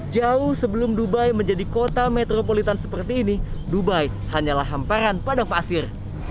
jauh sebelum dubai menjadi kota metropolitan seperti ini dubai hanyalah hamparan padang pasir